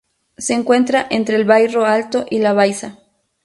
Se encuentra entre el Bairro Alto y la Baixa.